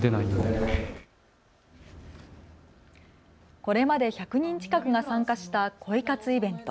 これまで１００人近くが参加した恋活イベント。